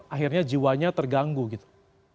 akhirnya jiwanya terganggu gitu